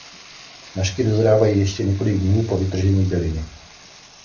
Nažky dozrávají ještě několik dnů po vytržení byliny.